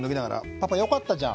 「パパよかったじゃん」